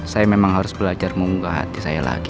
saya memang harus belajar mengunggah hati saya lagi